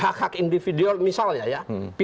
hak hak individual misalnya ya